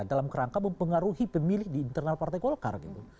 dalam kerangka mempengaruhi pemilih di internal partai golkar gitu